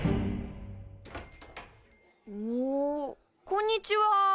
こんにちは。